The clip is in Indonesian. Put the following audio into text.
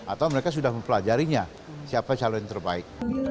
atau mereka sudah mempelajarinya siapa calon yang terbaik